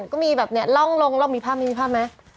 ก็มีแบบเนี่ยล่องลงมีภาพมีภาพมั้ย